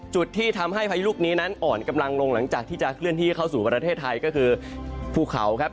จุดที่ทำให้พายุลูกนี้นั้นอ่อนกำลังลงหลังจากที่จะเคลื่อนที่เข้าสู่ประเทศไทยก็คือภูเขาครับ